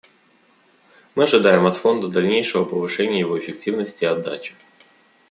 Мы ожидаем от Фонда дальнейшего повышения его эффективности и отдачи.